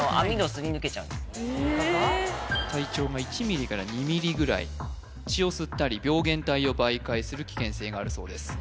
ええっ体長が１ｍｍから２ｍｍぐらい血を吸ったり病原体を媒介する危険性があるそうです